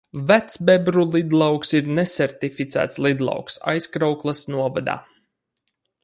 Vecbebru lidlauks ir nesertificēts lidlauks Aizkraukles novadā.